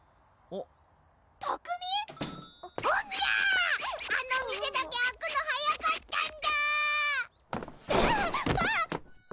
あの店だけ開くの早かったんだわっ！